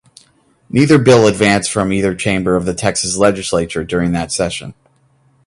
Neither bill advanced from either chamber of the Texas Legislature during that session.